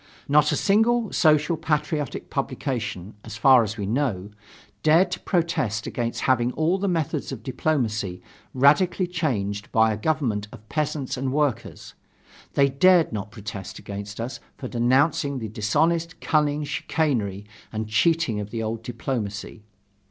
Not a single social patriotic publication, as far as we know, dared to protest against having all the methods of diplomacy radically changed by a government of peasants and workers; they dared not protest against us for denouncing the dishonest cunning, chicanery and cheating of the old diplomacy.